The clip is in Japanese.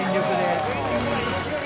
全力で。